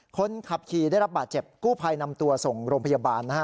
คนขับขี่ได้รับบาดเจ็บกู้ภัยนำตัวส่งโรงพยาบาลนะฮะ